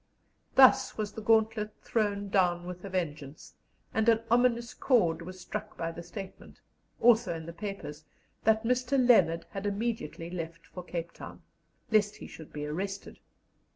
Thus was the gauntlet thrown down with a vengeance, and an ominous chord was struck by the statement, also in the papers, that Mr. Leonard had immediately left for Cape Town, "lest he should be arrested."